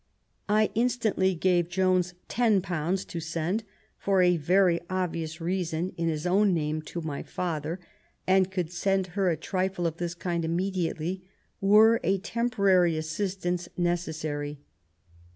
I instantly gave Jones ten pounds to send, for a very obvious reason, in his own name to my father, and could send her a trifle of this kind immediately, were a temporary assistance necessary.